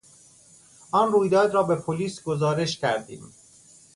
آن رویداد را به پلیس گزارش کردیم.